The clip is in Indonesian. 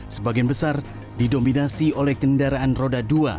sebagian besar didominasi oleh kendaraan roda dua